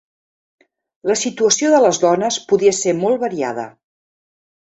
La situació de les dones podia ser molt variada.